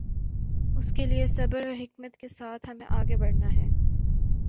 اس کے لیے صبر اور حکمت کے ساتھ ہمیں آگے بڑھنا ہے۔